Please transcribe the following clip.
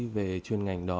về chuyên ngành đó